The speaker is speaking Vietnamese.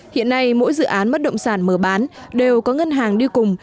hiện nay mỗi dự án bất động sản mở bán đều có ngân hàng đi cùng